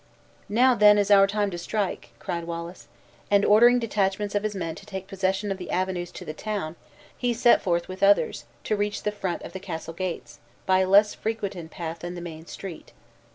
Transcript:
"Now, then, is our time to strike!" cried Wallace; and ordering detachments of his men to take possession of the avenues to the town, he set forth with others, to reach the front of the castle gates, by a less frequented path than the main street.